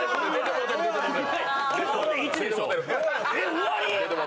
終わり？